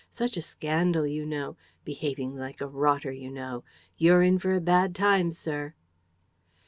Such a scandal, you know! Behaving like a rotter, you know! You're in for a bad time, sir!"